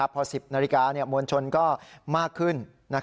พอ๑๐นาฬิกามวลชนก็มากขึ้น